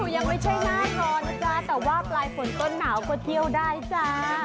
ยังไม่ใช่แน่นอนนะจ๊ะแต่ว่าปลายฝนต้นหนาวก็เที่ยวได้จ้า